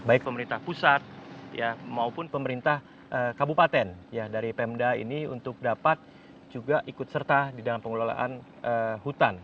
baik pemerintah pusat maupun pemerintah kabupaten dari pemda ini untuk dapat juga ikut serta di dalam pengelolaan hutan